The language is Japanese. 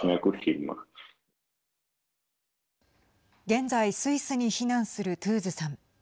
現在、スイスに避難するトゥーズさん。